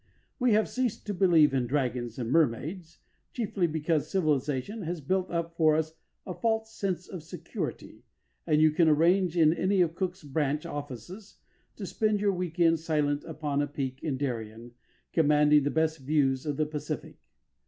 We have ceased to believe in dragons and mermaids, chiefly because civilisation has built up for us a false sense of security, and you can arrange in any of Cook's branch offices to spend your week end silent upon a peak in Darien, commanding the best views of the Pacific.